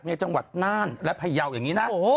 ในจังหวัดน่านและพยาวอย่างนี้นะ